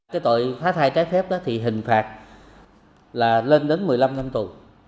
cái tội phá thai trái phép thì hình phạt là lên đến một mươi năm năm tù